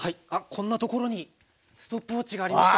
こんなところにストップウォッチがありました。